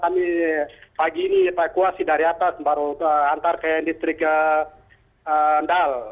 kami pagi ini evakuasi dari atas baru antar ke distrik kendal